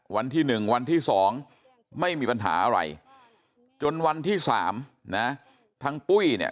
วันที่๑วันที่๒ไม่มีปัญหาอะไรจนวันที่๓นะทั้งปุ้ยเนี่ย